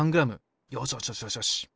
よしよしよしよしよし！